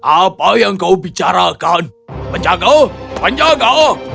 apa yang kau bicarakan penjaga penjaga